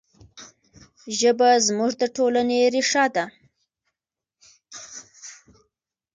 ژبه زموږ د ټولنې ریښه ده.